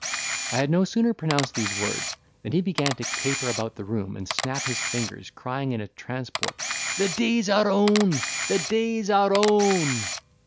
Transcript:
I had no sooner pronounced these words than he began to caper about the room, and snap his fingers, crying in a transport, "The day's our own—the day's our own!"